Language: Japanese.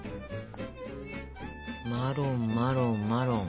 マロンマロンマロン。